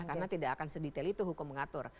karena tidak akan sedetail itu hukum mengatur